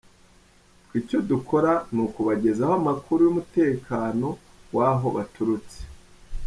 Twe icyo dukora ni ukubagezaho amakuru y’umutekano w’aho baturutse.